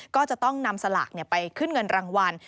ก็จะต้องนำสลากไปขึ้นเงินรางวัล